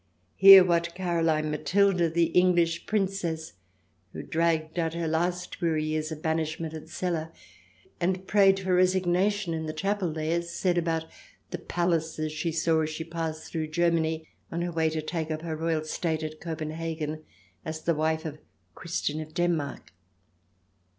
... Hear what Caroline Matilda, the English Princess who dragged out her last weary days of banishment at Celle and prayed for resignation in the chapel there, said about the palaces she saw as she passed CH. xix] CELLE 265 through Germany on her way to take up her royal state at Copenhagen as the wife of Christian of Denmark.